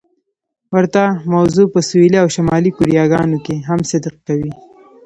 ورته موضوع په سویلي او شمالي کوریاګانو کې هم صدق کوي.